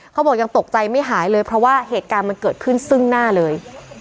เขาบอกยังตกใจไม่หายเลยเพราะว่าเหตุการณ์มันเกิดขึ้นซึ่งหน้าเลย